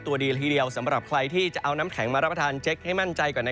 ตัวดีละทีเดียวสำหรับใครที่จะเอาน้ำแข็งมารับประทานเช็คให้มั่นใจก่อน